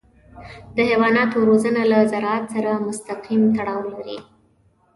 د حیواناتو روزنه له زراعت سره مستقیم تړاو لري.